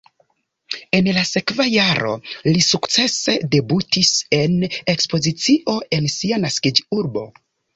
En la sekva jaro li sukcese debutis en ekspozicio en sia naskiĝurbo.